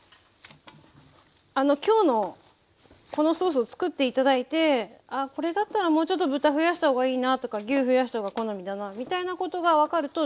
今日のこのソースを作って頂いてああこれだったらもうちょっと豚増やした方がいいなとか牛増やした方が好みだなみたいなことが分かるとちょうどいいと思いますね。